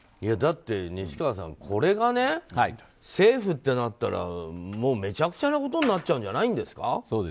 だって西川さんこれがセーフってなったらめちゃくちゃなことになっちゃうんじゃないですか。